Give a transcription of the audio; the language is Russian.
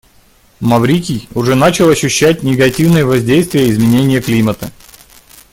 Маврикий уже начал ощущать негативное воздействие изменения климата.